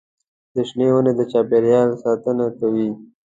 د شنې ونې د چاپېریال ساتنه کوي.